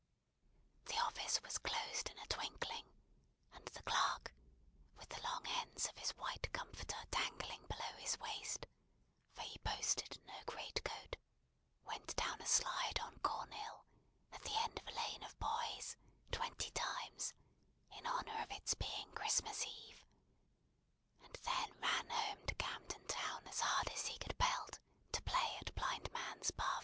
The office was closed in a twinkling, and the clerk, with the long ends of his white comforter dangling below his waist (for he boasted no great coat), went down a slide on Cornhill, at the end of a lane of boys, twenty times, in honour of its being Christmas Eve, and then ran home to Camden Town as hard as he could pelt, to play at blindman's buff.